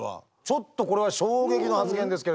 ちょっとこれは衝撃の発言ですけれども。